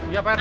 iya pak rt